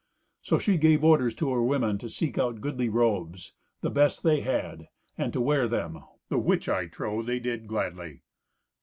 So she gave orders to her women to seek out goodly robes, the best that they had, and to wear them; the which, I trow, they did gladly.